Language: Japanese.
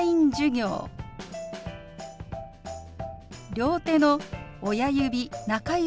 両手の親指中指